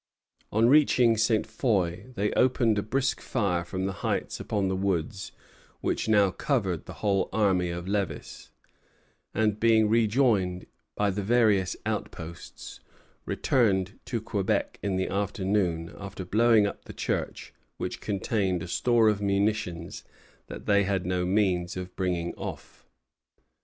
On reaching Ste. Foy, they opened a brisk fire from the heights upon the woods which now covered the whole army of Lévis; and being rejoined by the various outposts, returned to Quebec in the afternoon, after blowing up the church, which contained a store of munitions that they had no means of bringing off.